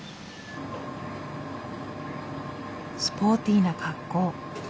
スポーティーな格好。